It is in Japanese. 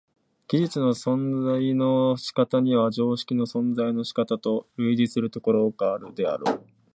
技術の存在の仕方には常識の存在の仕方と類似するところがあるであろう。